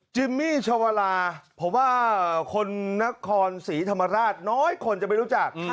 มี่ชาวลาผมว่าคนนครศรีธรรมราชน้อยคนจะไม่รู้จัก